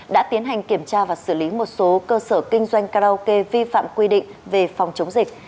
đã tiến hành kiểm tra và xử lý một số cơ sở kinh doanh karaoke vi phạm quy định về phòng chống dịch